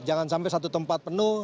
jangan sampai satu tempat penuh